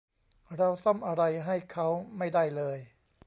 เราซ่อมอะไรให้เค้าไม่ได้เลย